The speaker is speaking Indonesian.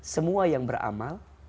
semua yang beramal